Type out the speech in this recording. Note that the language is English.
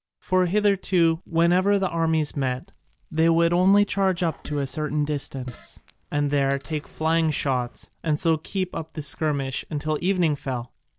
For hitherto, whenever the armies met, they would only charge up to a certain distance, and there take flying shots, and so keep up the skirmish until evening fell.